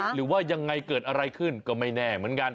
หรือว่ายังไงเกิดอะไรขึ้นก็ไม่แน่เหมือนกัน